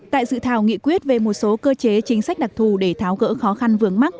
tại dự thảo nghị quyết về một số cơ chế chính sách đặc thù để tháo gỡ khó khăn vướng mắt